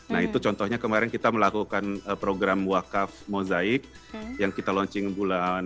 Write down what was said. nah itu contohnya kemarin kita melakukan program wakaf mozaik yang kita launching bulan